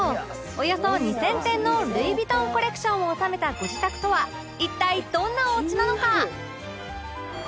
およそ２０００点のルイ・ヴィトンコレクションを収めたご自宅とは一体どんなおうちなのか？